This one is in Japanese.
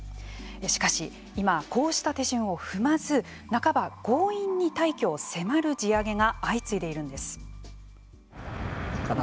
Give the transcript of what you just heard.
しかし、今こうした手順を踏まず半ば強引に退去を迫る地上げが相次いでいるんです。